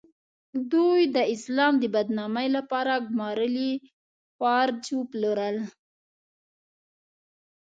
دوی د اسلام د بدنامۍ لپاره ګومارلي خوارج وپلورل.